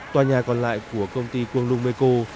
tòa nhà còn lại của công ty quang lung meco